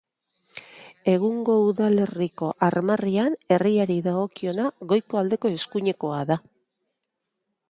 Egungo udalerriko armarrian herriari dagokiona goiko aldeko eskuinekoa da.